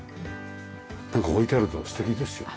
なんか置いてあると素敵ですよね。